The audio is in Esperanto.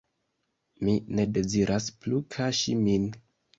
Mi ne deziras plu kaŝi min.